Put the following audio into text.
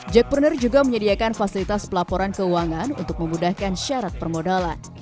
jackpreneur juga menyediakan fasilitas pelaporan keuangan untuk memudahkan syarat permodalan